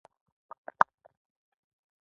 هغه ډېره سخته او بشپړه ماته وخوړه.